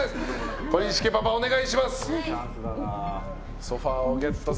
小西家パパお願いします。